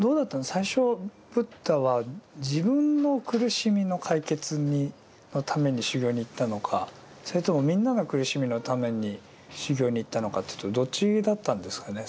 最初ブッダは自分の苦しみの解決のために修行に行ったのかそれともみんなの苦しみのために修行に行ったのかというとどっちだったんですかね。